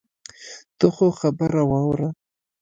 ته خو خبره واوره.